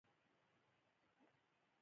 که دوی غلي وي د حامد میر روایت به منو.